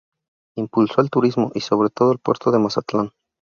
Impulsó el turismo y sobre todo el puerto de Mazatlán.